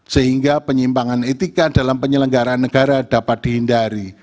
sehingga penyimpangan etika dalam penyelenggaran negara dapat dihindari